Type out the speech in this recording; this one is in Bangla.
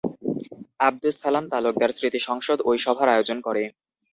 আবদুুস সালাম তালুকদার স্মৃতি সংসদ ওই সভার আয়োজন করে।